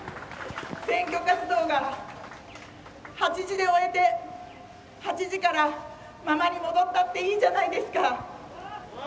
選挙活動が８時で終えて８時からママに戻ったっていいじゃないですか。